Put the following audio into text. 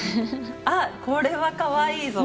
あこれはかわいいぞ！